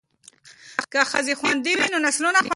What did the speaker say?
که ښځې خوندي وي نو نسلونه خوندي کیږي.